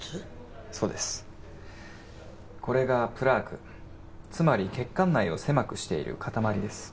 そうですこれがプラークつまり血管内を狭くしている塊です